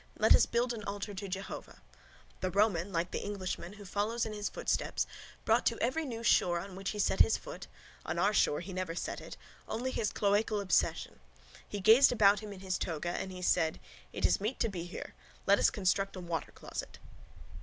Let us build an altar to Jehovah_. The Roman, like the Englishman who follows in his footsteps, brought to every new shore on which he set his foot (on our shore he never set it) only his cloacal obsession. He gazed about him in his toga and he said: _It is meet to be here. Let us construct a watercloset.